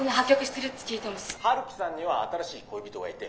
「陽樹さんには新しい恋人がいて」。